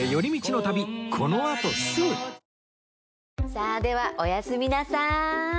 さあではおやすみなさーい。